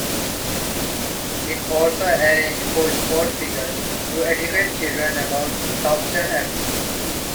It also arranged for sports figures to educate children about substance abuse.